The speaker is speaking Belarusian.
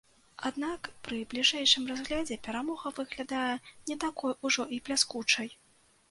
Аднак пры бліжэйшым разглядзе перамога выглядае не такой ужо і бліскучай.